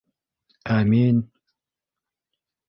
Ә мин...